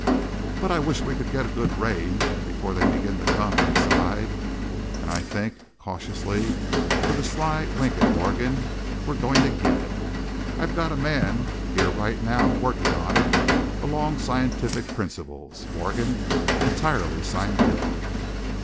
"But I wish we could get a good rain before they begin to come," he sighed, "and I think " cautiously, with a sly wink at Morgan "we're going to get it. I've got a man here right now working on it, along scientific principles, Morgan entirely scientific."